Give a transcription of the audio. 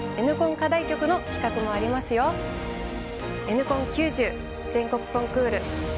Ｎコン９０！全国コンクールお楽しみに！